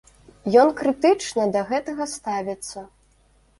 Ён крытычна да гэтага ставіцца.